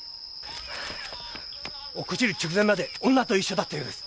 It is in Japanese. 落っこちる直前まで女と一緒だったようです。